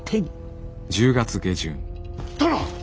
殿！